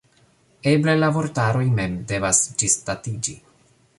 Eble la vortaroj mem devas ĝisdatiĝi.